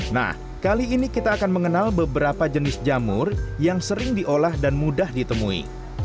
nah kali ini kita akan mengenal beberapa jenis jamur yang sering diolah dan mudah ditemui